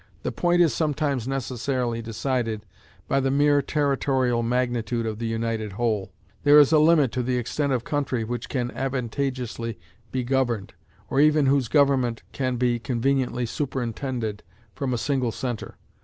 The point is sometimes necessarily decided by the mere territorial magnitude of the united whole. There is a limit to the extent of country which can advantageously be governed, or even whose government can be conveniently superintended from a single centre.